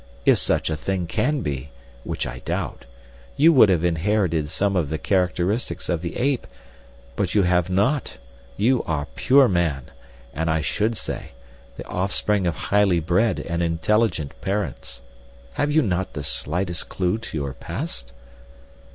If such a thing can be, which I doubt, you would have inherited some of the characteristics of the ape, but you have not—you are pure man, and, I should say, the offspring of highly bred and intelligent parents. Have you not the slightest clue to your past?"